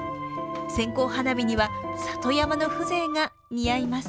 線香花火には里山の風情が似合います。